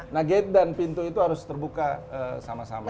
nah gate dan pintu itu harus terbuka sama sama